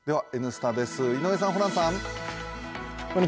「Ｎスタ」です、井上さん、ホランさん。